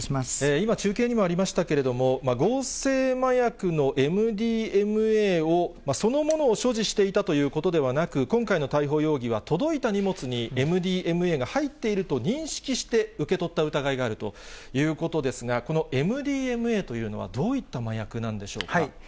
今、中継にもありましたけれども、合成麻薬のＭＤＭＡを、そのものを所持していたということではなく、今回の逮捕容疑は、届いた荷物にＭＤＭＡが入っていると認識して受け取った疑いがあるということですが、このＭＤＭＡというのは、どういった麻薬なんでしょうか。